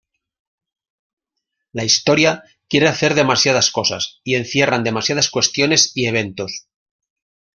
La historia quiere hacer demasiadas cosas y encierran demasiadas cuestiones y eventos.